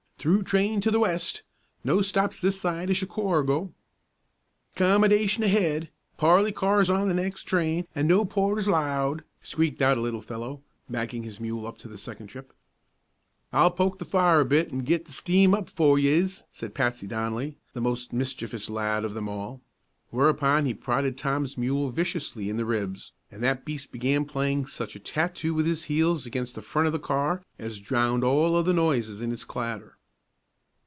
"Through train to the West! No stops this side o' Chicorgo!" "'Commodation ahead! Parly cars on the nex' train, an' no porters 'lowed!" squeaked out a little fellow, backing his mule up to the second trip. "I'll poke the fire a bit an' git the steam up fur yez," said Patsy Donnelly, the most mischievous lad of them all. Whereupon he prodded Tom's mule viciously in the ribs, and that beast began playing such a tattoo with his heels against the front of the car as drowned all other noises in its clatter.